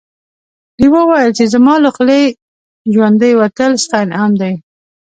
لیوه وویل چې زما له خولې ژوندی وتل ستا انعام دی.